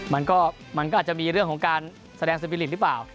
มันก็อาจจะมีเรื่องของการแสดงสปีริตหรือเปล่า